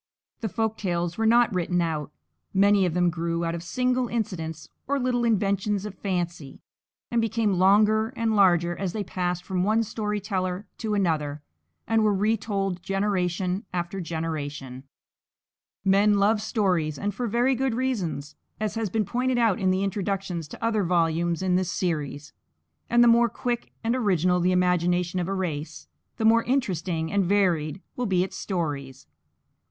The folk tales were not written out; many of them grew out of single incidents or little inventions of fancy, and became longer and larger as they passed from one story teller to another and were retold generation after generation. Men love stories, and for very good reasons, as has been pointed out in introductions to other volumes in this series; and the more quick and original the imagination of a race, the more interesting and varied will be its stories.